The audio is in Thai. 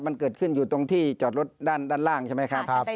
มันเกิดขึ้นอยู่ตรงที่จอดรถด้านล่างใช่ไหมครับ